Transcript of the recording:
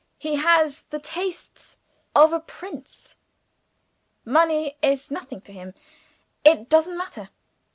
He has the tastes of a prince money is nothing to him. It doesn't matter.